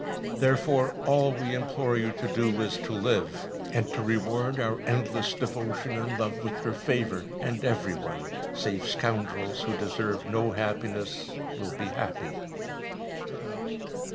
Therefore all we implore you to do is to live, and to reward our endless devotion and love with your favour, and every one, save scoundrels who deserve no happiness, will be happy.